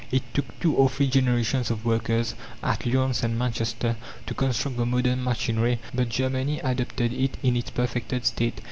It took two or three generations of workers, at Lyons and Manchester, to construct the modern machinery; but Germany adopted it in its perfected state.